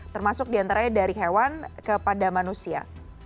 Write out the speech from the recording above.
termasuk diantaranya dari hewan kepada manusia